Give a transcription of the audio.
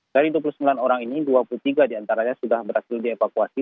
dari dua puluh sembilan orang ini dua puluh tiga diantaranya sudah berhasil dievakuasi